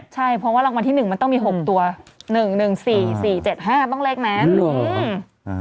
ใช่เพราะว่ารางวัลที่หนึ่งมันต้องมีหกตัวหนึ่งหนึ่งสี่สี่เจ็ดห้าต้องเลขนั้นอืม